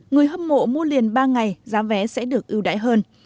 người hâm mộ mua liền ba ngày giá vé sẽ được ưu đại hơn